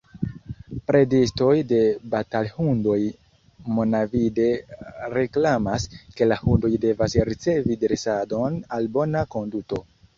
Bredistoj de batalhundoj monavide reklamas, ke la hundoj devas ricevi dresadon al bona konduto.